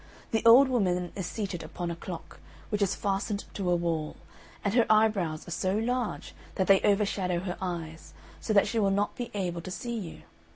The old woman is seated upon a clock, which is fastened to a wall; and her eyebrows are so large that they overshadow her eyes, so that she will not be able to see you.